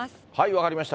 分かりました。